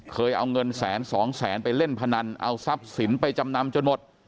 เคยเอาเงินแสนสองแสนไปเล่นพนันเอาทรัพย์สินไปจำนำจนหมด